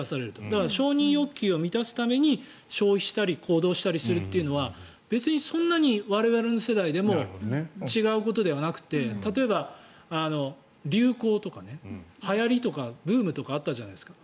だから、承認欲求を満たすために消費したり行動したりするというのは別にそんなに我々の世代でも違うことではなくて例えば、流行とかねはやりとかブームとかあったじゃないですか。